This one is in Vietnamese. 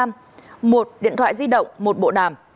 một điện thoại di động một bộ đàm